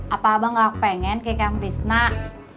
apa abang gak pengen ke kang tisnah